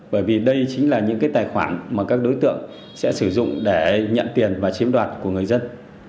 bởi vì đây chính là những cái tài khoản mà các đối tượng sẽ sử dụng để nhận tiền và chiếm đoạt của người dân